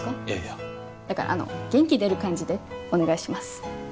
いやいやだからあの元気出る感じでお願いします